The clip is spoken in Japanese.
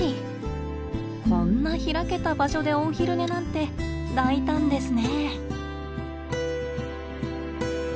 こんな開けた場所でお昼寝なんて大胆ですね。